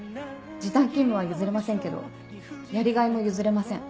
時短勤務は譲れませんけどやりがいも譲れません。